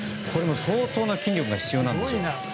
これも相当な筋力が必要なんですよ。